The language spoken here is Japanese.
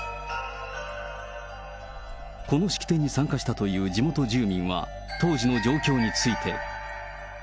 この式典に参加したという地元住民は当時の状況について。